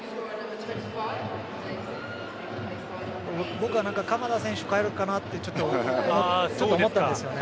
僕は鎌田選手を代えるかなと思ったんですよね。